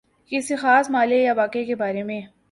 کسی خاص مألے یا واقعے کے بارے میں